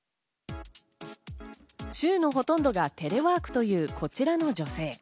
週のほとんどがテレワークというこちらの女性。